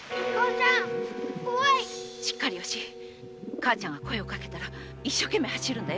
母ちゃんが声をかけたら一生懸命走るんだよ。